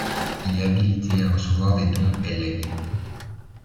Il est habilité à recevoir des dons et legs.